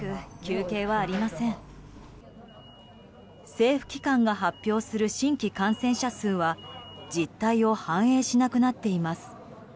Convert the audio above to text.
政府機関が発表する新規感染者数は実態を反映しなくなっています。